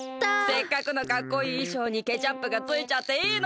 せっかくのかっこいいいしょうにケチャップがついちゃっていいの？